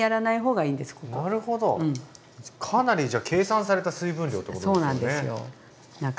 なるほどかなりじゃ計算された水分量ってことですよね。